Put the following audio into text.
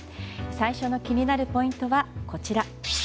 最初の気になるポイントはこちら。